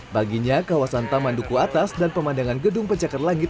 baginya kawasan taman duku atas dan pemandangan gedung pencakar langit